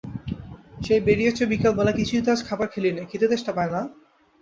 সেই বেরিয়েচো বিকেলবেলা, কিছুই তো আজ খাবার খেলিনে-খিদেতেষ্টা পায় না?